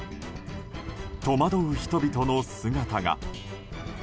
戸惑う人々の姿が。